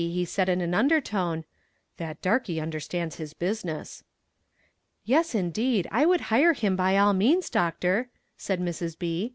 he said in an undertone: "That darkie understands his business." "Yes indeed, I would hire him by all means, Doctor," said Mrs. B.